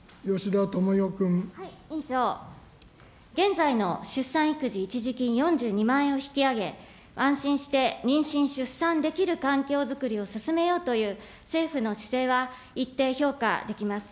委員長、現在の出産育児一時金４２万円を引き上げ、安心して妊娠、出産できる環境づくりを進めようという、政府の姿勢は一定評価できます。